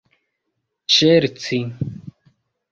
ŝerci